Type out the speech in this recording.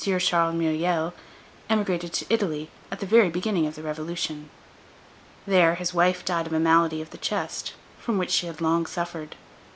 Charles Myriel emigrated to Italy at the very beginning of the Revolution. There his wife died of a malady of the chest, from which she had long suffered.